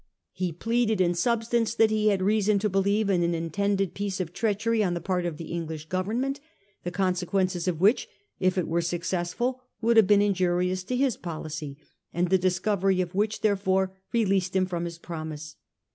. He pleaded in substance that he had reason to believe in an intended piece of treachery on the part of the English Government, the consequences of which, if it were successful, would have been in jurious to his policy, and the discovery of which, therefore, released him from his promise.